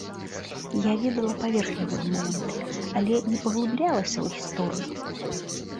Я ведала паверхневыя моманты, але не паглыблялася ў гісторыю.